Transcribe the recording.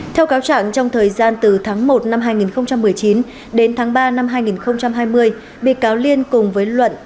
theo cáo trạng trong thời gian từ tháng một năm hai nghìn một mươi chín đến tháng ba năm hai nghìn hai mươi bị cáo liên cùng với luận